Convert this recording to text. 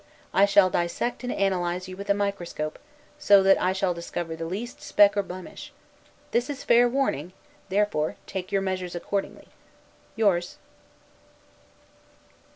I shall dissect and analyze you with a microscope; so that I shall discover the least speck or blemish. This is fair warning; therefore take your measures accordingly. Yours.